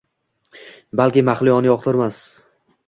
Balki Mahliyoni yoqtirmas